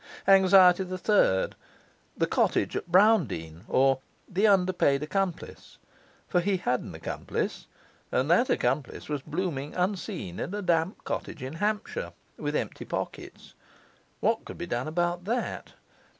Anxiety the Third: The Cottage at Browndean; or, The Underpaid Accomplice. For he had an accomplice, and that accomplice was blooming unseen in a damp cottage in Hampshire with empty pockets. What could be done about that?